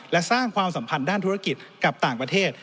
และสร้างความสัมพันธ์ด้านธุรกิจกับต่างประเทศ